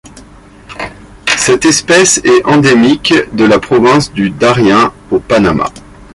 Cette espèce est endémique de la province du Darién au Panama.